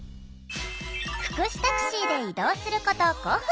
福祉タクシーで移動すること５分。